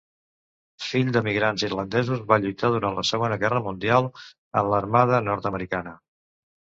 Fill d'emigrants irlandesos, va lluitar durant la Segona Guerra Mundial en l'Armada nord-americana.